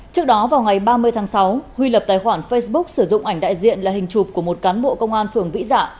trước đó vào ngày ba mươi tháng sáu huy lập tài khoản facebook sử dụng ảnh đại diện là hình chụp của một cán bộ công an phường vĩ dạ